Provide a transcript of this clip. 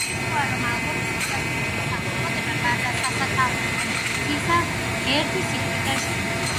საგულისხმოა, რომ ალბომის ყველა სიმღერის სახელწოდება, გარდა სასათაურო კომპოზიციისა, ერთი სიტყვისგან შედგება.